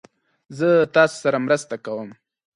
زه تاسو سره مرسته کوم